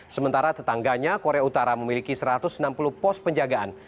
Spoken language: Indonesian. sementara tetangganya korea utara memiliki satu ratus enam puluh pos penjagaan